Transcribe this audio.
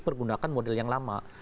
pergunakan model yang lama